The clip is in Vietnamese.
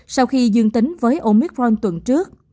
sau khi dương tính với omicron tuần trước